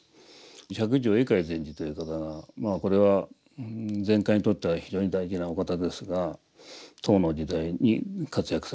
百丈懐海禅師という方がこれは禅界にとっては非常に大事なお方ですが唐の時代に活躍された。